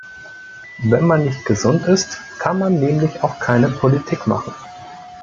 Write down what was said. Wenn man nicht gesund ist, kann man nämlich auch keine Politik machen.